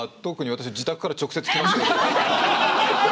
私は自宅から直接来ましたけど。